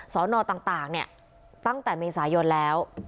สอนอต่างเนี่ยตั้งแต่เมษายนแล้ว